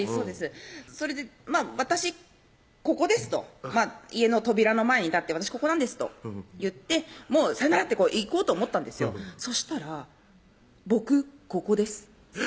それで「私ここです」と家の扉の前に立って「私ここなんです」と言って「さよなら！」って行こうと思ったんですよそしたら「僕ここです」